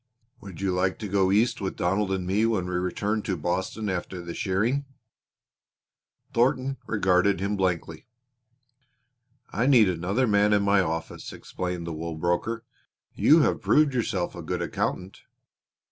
"Would you like to go East with Donald and me when we return to Boston after the shearing?" Thornton regarded him blankly. "I need another man in my office," explained the wool broker. "You have proved yourself a good accountant.